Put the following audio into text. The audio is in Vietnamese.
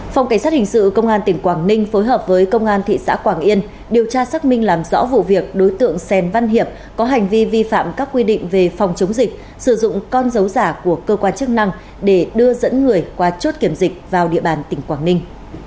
phòng cảnh sát hình sự công an tỉnh quảng ninh phối hợp với công an thị xã quảng yên điều tra xác minh làm rõ vụ việc đối tượng sèn văn hiệp có hành vi vi phạm các quy định về phòng chống dịch sử dụng con dấu giả của cơ quan chức năng để đưa dẫn người qua chốt kiểm dịch vào địa bàn tỉnh quảng ninh